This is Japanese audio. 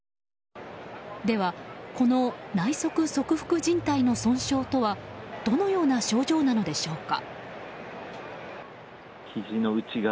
では、この内側側副じん帯の損傷とはどのような症状なのでしょうか？